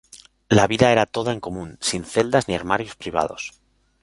La vida era toda en común, sin celdas ni armarios privados.